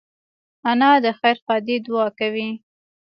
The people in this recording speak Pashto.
انا د خیر ښادۍ دعا کوي